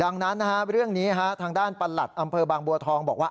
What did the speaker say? ดังนั้นเรื่องนี้ทางด้านประหลัดอำเภอบางบัวทองบอกว่า